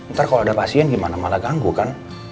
ntar kalau ada pasien gimana malah ganggu kan